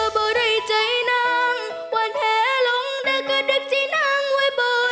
พร้อมนั้นนะ